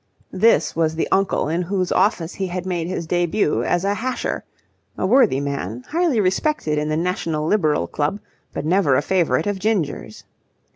This was the uncle in whose office he had made his debut as a hasher: a worthy man, highly respected in the National Liberal Club, but never a favourite of Ginger's.